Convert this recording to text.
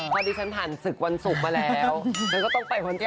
พอดิฉันผ่านศึกวันศุกร์มาแล้วดิฉันก็ต้องไปคนเสาต่อ